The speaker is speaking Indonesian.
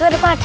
itu ada pacu